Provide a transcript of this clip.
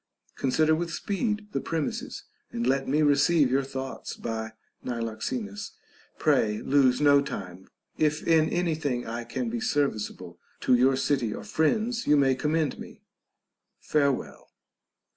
Consider with speed the premises, and let me receive your thoughts by Niloxenus. Pray lose no time. If in any thing I can be serviceable to your city or friends, you may command me. Farewell.